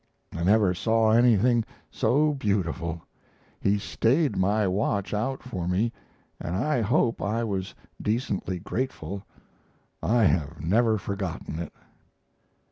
I never saw anything so beautiful. He stayed my watch out for me, and I hope I was decently grateful. I have never forgotten it."